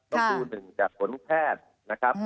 ต้องดูหนึ่งกับผลแพทย์นะครับ